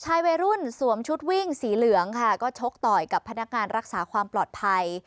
วัยรุ่นสวมชุดวิ่งสีเหลืองค่ะก็ชกต่อยกับพนักงานรักษาความปลอดภัย